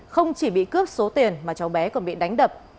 không chỉ bị cướp số tiền mà cháu bé còn bị đánh đập